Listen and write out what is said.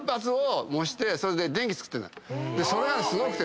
それがすごくて。